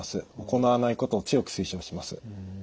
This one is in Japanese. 行わないことを強く推奨します。